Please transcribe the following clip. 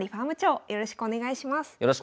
よろしくお願いします。